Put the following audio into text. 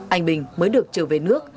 anh bình mới được trở về nước